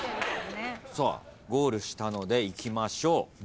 ゴールしたのでいきましょう。